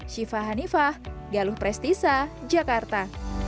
siva hanifah galuh prestisa jakarta